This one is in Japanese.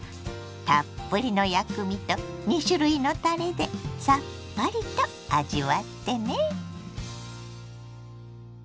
たっぷりの薬味と２種類のたれでさっぱりと味わってね。